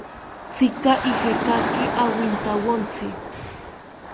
¿Tzika ijekaki awintawontzi?